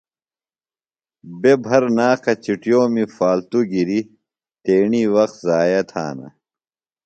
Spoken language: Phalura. بےۡ بھرناقہ چُٹِیومی فالتُوۡ گِریۡ تیݨی وخت ضائع تھانہ۔